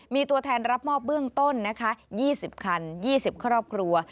มีตัวแทนรับมอบเบื้องต้นนะคะ๒๐คัน๒๐ครอบครัว